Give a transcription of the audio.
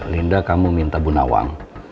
linda kamu minta bunawang